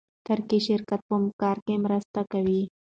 ترکي شرکت په کار کې مرسته کوي.